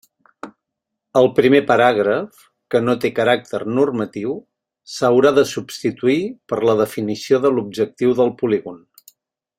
El primer paràgraf, que no té caràcter normatiu, s'haurà de substituir per la definició de l'objectiu del polígon.